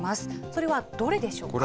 それはどれでしょうか。